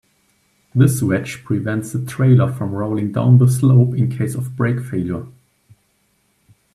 This wedge prevents the trailer from rolling down the slope in case of brake failure.